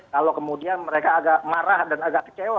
kalau kemudian mereka agak marah dan agak kecewa